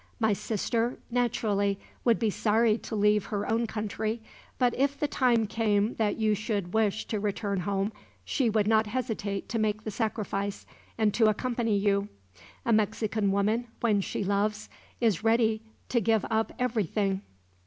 "My sister naturally would be sorry to leave her own country, but if the time came that you should wish to return home, she would not hesitate to make the sacrifice, and to accompany you. A Mexican woman, when she loves, is ready to give up everything."